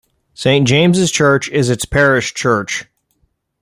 Saint James' Church is its parish church.